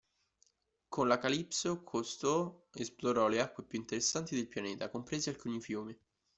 Con la Calypso, Cousteau esplorò le acque più interessanti del pianeta, compresi alcuni fiumi.